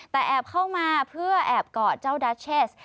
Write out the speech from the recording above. แต่แอบเข้ามาเพื่อแอบกอดเจ้าดัชเชส